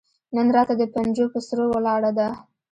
نن راته د پنجو پهٔ سرو ولاړه ده